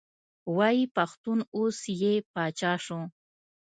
وایي پښتون اوس یې پاچا شو.